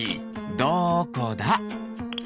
どこだ？